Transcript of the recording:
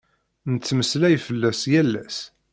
Nettemmeslay fell-as yal ass.